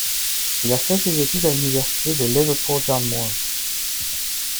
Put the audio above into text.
Il a fait ses études à l'Université de Liverpool John Moores.